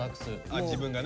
あ自分がね。